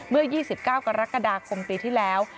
เมื่อ๒๙กรกฎาคมปีที่แล้ว